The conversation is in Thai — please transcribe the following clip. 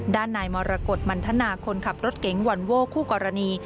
ด้านนายมรกฏมันทนาคนขับรถเก๋งวอนโว้คู่กรณี